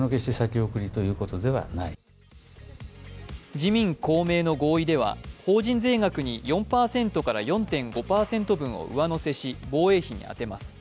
自民・公明の合意では法人税額に４％から４．５％を上乗せし防衛費に充てます。